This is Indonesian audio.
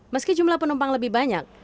meski jumlah penumpang lebih banyak